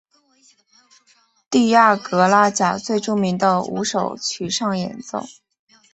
蒂亚格拉贾最著名的五首曲上演奏。